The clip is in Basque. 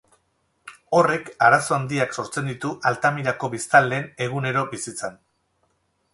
Horrek arazo handiak sortzen ditu Altamirako biztanleen egunero bizitzan.